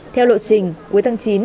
theo lộ trình cuối tháng chín